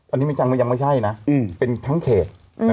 อันนี้มีจังมันยังไม่ใช่นะเป็นทั้งเขต